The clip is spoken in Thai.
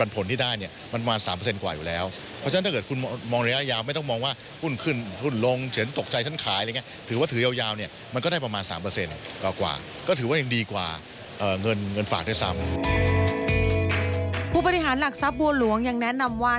ผู้บริหารหลักทรัพย์บัวหลวงยังแนะนำว่า